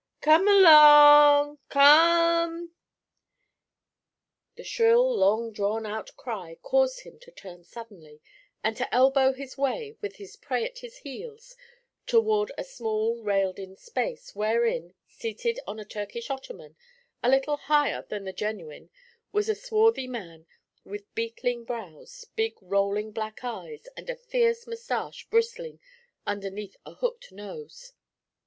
'Kum all ong! Kume mol o ng! Ku m m m!' The shrill long drawn out cry caused him to turn suddenly, and to elbow his way, with his prey at his heels, toward a small railed in space, wherein, seated on a Turkish ottoman, a little higher than the genuine, was a swarthy man with beetling brows, big rolling black eyes, and a fierce moustache bristling underneath a hooked nose.